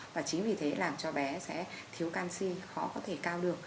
và chính vì thế làm cho bé sẽ thiếu canxi khó có thể cao được